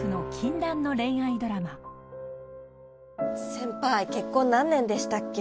「先輩結婚何年でしたっけ？」